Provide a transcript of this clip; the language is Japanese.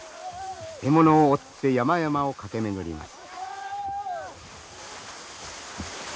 獲物を追って山々を駆け巡ります。